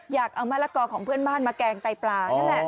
อยากเอามะละกอของเพื่อนบ้านมาแกงไตปลานั่นแหละ